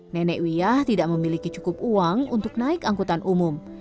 nenek wiyah tidak memiliki cukup uang untuk naik angkutan umum